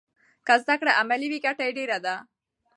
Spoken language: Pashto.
که زده کړه عملي وي ګټه یې ډېره ده.